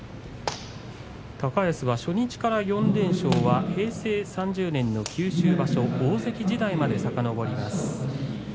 高安は初日から４連勝は平成３０年の九州場所大関時代までさかのぼります。